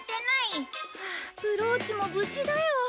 はあブローチも無事だよ！